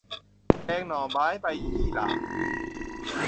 แกงหน่อไม้ใบยี่หร่า